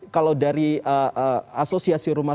kalau dari asosiasi rumah